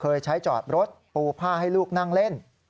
เคยใช้จอดรถปูผ้าให้ลูกนั่งเล่น